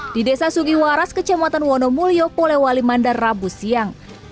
di desa sugiwaras kecamatan wonomulyo polewali mandar rabu siang